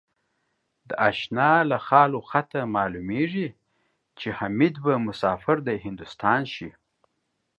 د آشناله خال و خطه معلومېږي ـ چې حمیدبه مسافر دهندوستان شي